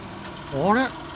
あれ？